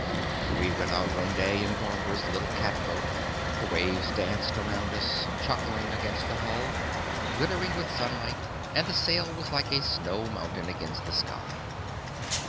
We went out one day in Barbara's little catboat. The waves danced around us, chuckling against the hull, glittering with sunlight, and the sail was like a snow mountain against the sky.